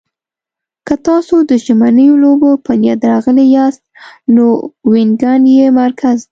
که تاسو د ژمنیو لوبو په نیت راغلي یاست، نو وینګن یې مرکز دی.